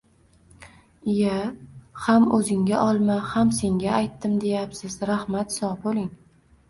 Iya, ham o‘zinga olma, ham senga aytdim deyapsiz, rahmat, sog‘ bo‘ling!